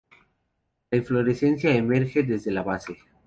La inflorescencia emerge desde la base.